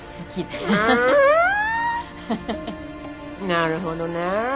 なるほどね。